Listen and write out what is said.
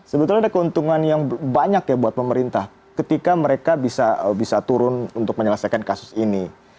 sebetulnya ada keuntungan yang banyak ya buat pemerintah ketika mereka bisa turun untuk menyelesaikan kasus ini